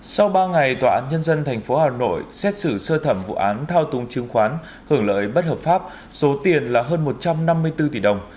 sau ba ngày tòa án nhân dân tp hà nội xét xử sơ thẩm vụ án thao túng chứng khoán hưởng lợi bất hợp pháp số tiền là hơn một trăm năm mươi bốn tỷ đồng